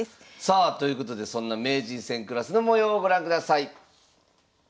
さあということでそんな名人戦クラスの模様をご覧ください。